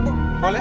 bisa bu boleh